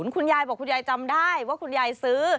คุณยายบอกคุณยายจำได้ว่าคุณยายซื้อ